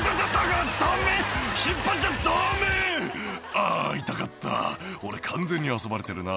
「あぁ痛かった俺完全に遊ばれてるな」